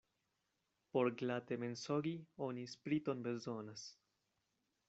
Por glate mensogi, oni spriton bezonas.